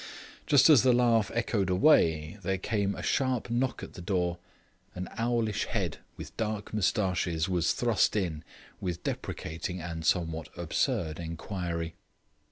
Just as the laugh echoed away, there came a sharp knock at the door. An owlish head, with dark moustaches, was thrust in, with deprecating and somewhat absurd inquiry.